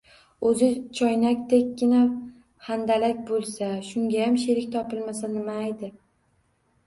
O‘zi choynakdekkina handalak bo‘lsa, shungayam sherik topilmasa nimaydi!